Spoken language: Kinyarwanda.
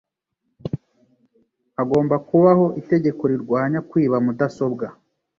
Hagomba kubaho itegeko rirwanya kwiba mudasobwa